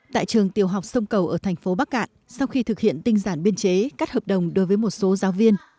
tại trường tiểu học sông cầu ở thành phố bắc cạn sau khi thực hiện tinh giản biên chế cắt hợp đồng đối với một số giáo viên